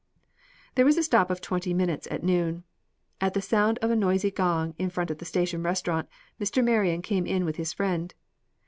There was a stop of twenty minutes at noon. At the sound of a noisy gong in front of the station restaurant, Mr. Marion came in with his friend.